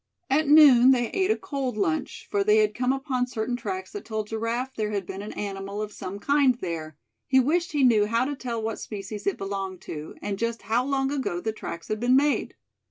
At noon they ate a cold lunch, for they had come upon certain tracks that told Giraffe there had been an animal of some kind there he wished he knew how to tell what species it belonged to, and just how long ago the tracks had been made.